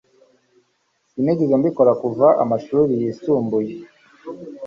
sinigeze mbikora kuva amashuri yisumbuye